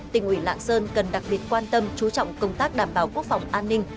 tỉnh ủy lạng sơn cần đặc biệt quan tâm chú trọng công tác đảm bảo quốc phòng an ninh